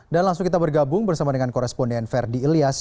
dan langsung kita bergabung bersama dengan koresponen verdi ilyas